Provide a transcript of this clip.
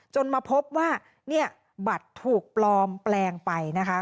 มาพบว่าเนี่ยบัตรถูกปลอมแปลงไปนะคะ